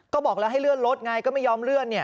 ก็บอกแล้วให้เลื่อนรถไงก็ไม่ยอมเลื่อน